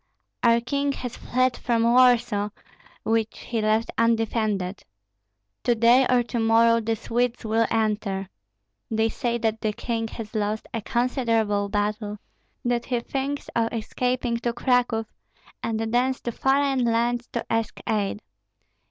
Our king has fled from Warsaw, which he left undefended. To day or to morrow the Swedes will enter. They say that the king has lost a considerable battle, that he thinks of escaping to Cracow, and thence to foreign lands to ask aid.